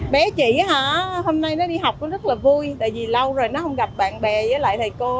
bé chị hả hôm nay nó đi học nó rất là vui tại vì lâu rồi nó không gặp bạn bè với lại thầy cô